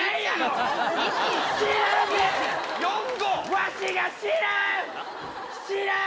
わしが知らん！